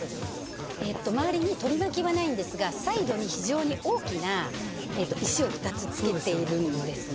周りに取り巻きはないんですがサイドに非常に大きな石を２つ付けているんですね。